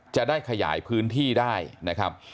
จะได้ขยายพื้นที่ได้นะครับ